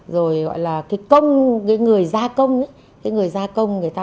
rồi gọi là cái công cái người gia công ấy cái người gia công người ta